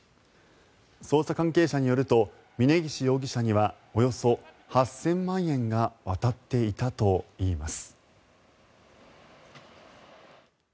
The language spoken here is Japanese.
捜査関係者によると峯岸容疑者にはおよそ８０００万円が渡っていたといいます。